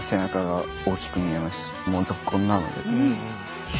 もうぞっこんなので。